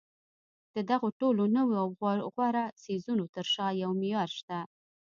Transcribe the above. د دغو ټولو نویو او غوره څیزونو تر شا یو معیار شته